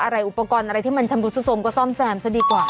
อะไรอุปกรณ์อะไรที่มันชำรุดสุดสมก็ซ่อมแซมซะดีกว่า